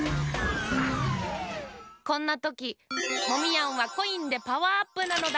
こんなときモミヤンはコインでパワーアップなのだ。